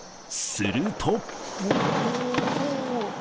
すると。